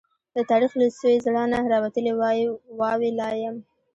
د تاريخ له سوي زړه نه، راوتلې واوي لا يم